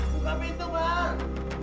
buka pintu mar